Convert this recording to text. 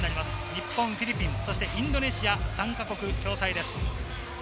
日本、フィリピン、インドネシア、３か国共催です。